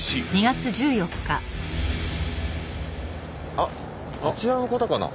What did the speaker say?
あっあちらの方かな？